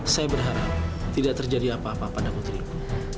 saya berharap tidak terjadi apa apa pada putri ibu